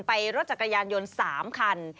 รถจักรยานยนต์๓คัน